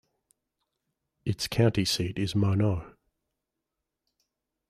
Its county seat is Minot.